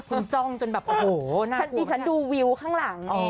คุณจ้องจนแบบโอ้โฮน่ากลัวมากค่ะค่ะที่ฉันดูวิวข้างหลัง